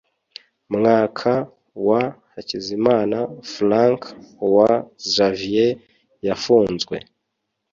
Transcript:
mwaka wa hakizimana franc ois xavier yafunzwe